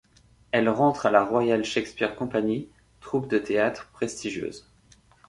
Elle rentre à la Royal Shakespeare Company, troupe de théâtre prestigieuse.